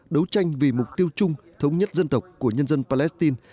đấu tranh vì mục tiêu chung thống nhất dân tộc của nhân dân palestine